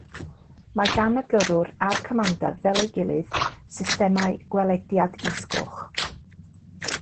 Mae gan y gyrrwr a'r comander fel ei gilydd systemau gwelediad isgoch.